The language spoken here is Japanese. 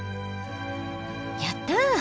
やった！